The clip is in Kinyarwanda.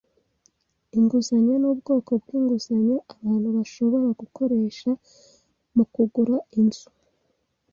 Inguzanyo ni ubwoko bw'inguzanyo abantu bashobora gukoresha mu kugura inzu.